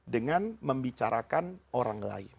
dengan membicarakan orang lain